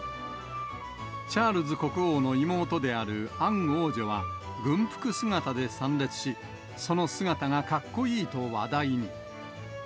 チャールズ国王の妹であるアン王女は、軍服姿で参列し、その姿がかっこいいと話題に。